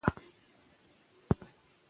لوستې نجونې د ټولنې ګډې پرېکړې پياوړې کوي.